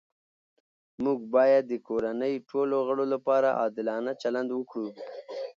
موږ باید د کورنۍ ټولو غړو لپاره عادلانه چلند وکړو